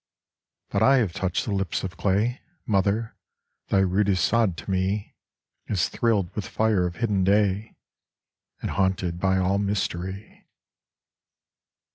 But I have touched the lips of clay Mother, thy rudest sod to me Is thrilled with fire of hidden day, And haunted by all mystery.